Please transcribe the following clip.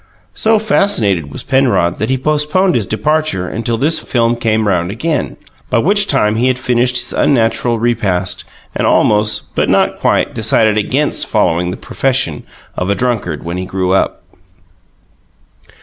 So fascinated was Penrod that he postponed his departure until this film came round again, by which time he had finished his unnatural repast and almost, but not quite, decided against following the profession of a drunkard when he grew up.